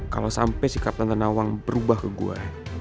kalau sampai si kapten nawang berubah ke gue